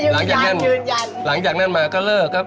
หลังจากนั้นหลังจากนั้นมาก็เลิกครับ